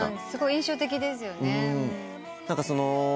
すごい印象的ですよね。